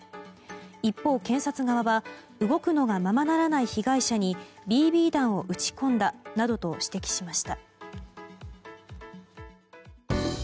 一方、検察側は動くのがままならない被害者にＢＢ弾を撃ち込んだなどと指摘しました。